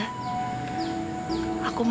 aku sayang sama kembaran aku za